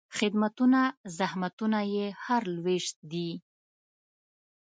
خدمتونه، زحمتونه یې هر لوېشت دي